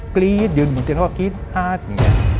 กรี๊ดยืนบนเตียงแล้วก็กรี๊ดห้าดอย่างนี้